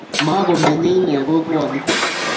makomenyei enee kokwonito